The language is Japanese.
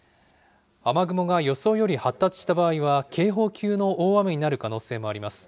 雨雲が予想より発達した場合は、警報級の大雨になる可能性もあります。